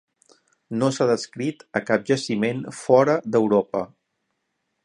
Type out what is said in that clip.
No s'ha descrit a cap jaciment fora d'Europa.